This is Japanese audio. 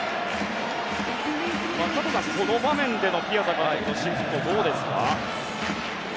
松坂さん、この場面でのピアザ監督のシフトどうですか？